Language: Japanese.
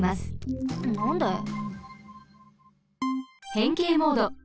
へんけいモード。